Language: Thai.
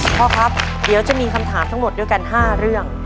พ่อครับเดี๋ยวจะมีคำถามทั้งหมดด้วยกัน๕เรื่อง